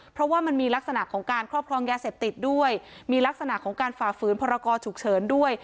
เพราะว่ามันมีลักษณะของการครอบครองยาเสพติดด้วยมีลักษณะของการฝ่าฝืนพรกรฉุกเฉินด้วย